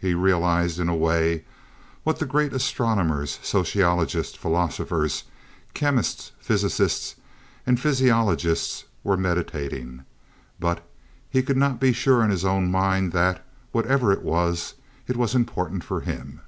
He realized, in a way, what the great astronomers, sociologists, philosophers, chemists, physicists, and physiologists were meditating; but he could not be sure in his own mind that, whatever it was, it was important for him.